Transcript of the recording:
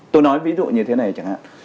tôi nói ví dụ như thế này chẳng hạn